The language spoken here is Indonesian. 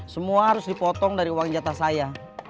semua harus dipotong dari uang jatah saya